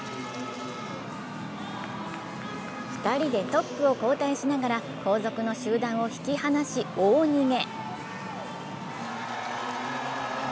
２人でトップを交代しながら後続の集団を引き離し大逃げ。